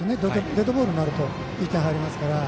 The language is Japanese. デッドボールになると１点入りますから。